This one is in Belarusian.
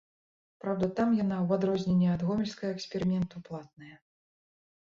Праўда, там яна, у адрозненне ад гомельскага эксперыменту, платная.